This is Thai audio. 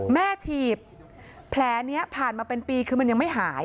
ถีบแผลนี้ผ่านมาเป็นปีคือมันยังไม่หาย